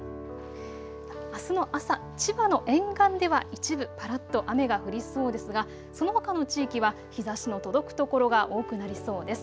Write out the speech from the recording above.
あすの朝、千葉の沿岸では一部ぱらっと雨が降りそうですがそのほかの地域は日ざしの届く所が多くなりそうです。